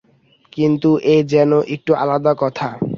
কিন্তু এ যেন একটু আলাদা কথা।